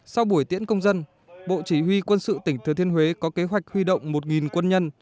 sau buổi tiễn công dân bộ chỉ huy quân sự tỉnh thừa thiên huế có kế hoạch huy động một quân nhân